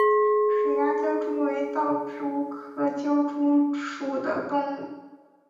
水涯狡蛛为盗蛛科狡蛛属的动物。